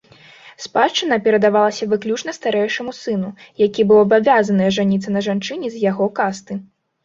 Спадчына перадавалася выключна старэйшаму сыну, які быў абавязаны ажаніцца на жанчыне з яго касты.